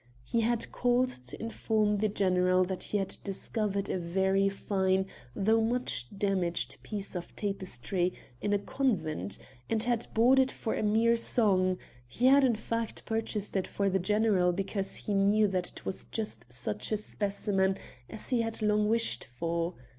He had called to inform the general that he had discovered a very fine though much damaged piece of tapestry in a convent, and had bought it for a mere song; he had in fact purchased it for the general because he knew that it was just such a specimen as he had long wished for.